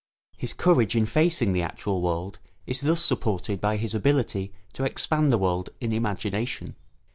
His courage in facing the actual world is thus supported by his ability to expand the world in imagination.